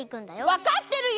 わかってるよ！